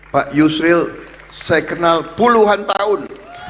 pak yusril saya kenal puluhan tahun